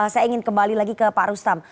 saya ingin kembali lagi ke pak rustam